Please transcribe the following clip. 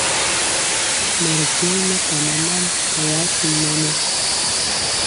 Mɛ ri jegi mɛkana mam ri asu mɛnɔ.